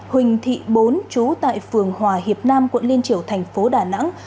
huỳnh thị bốn chú tại phường hòa hiệp nam quận liên triểu thành phố đà nẵng